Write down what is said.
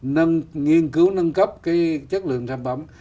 nghiên cứu nâng cấp cái chất lượng sản phẩm